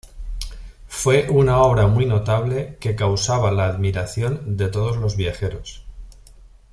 Fue una obra muy notable que causaba la admiración de todos los viajeros.